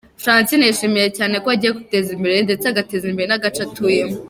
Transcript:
Francine yishimiye cyane ko agiye kwiteza imbere ndetse agateza imbere n'agace atuyemo.